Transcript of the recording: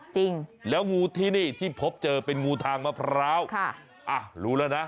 จริงแล้วงูที่นี่ที่พบเจอเป็นงูทางมะพร้าวค่ะอ่ะรู้แล้วนะ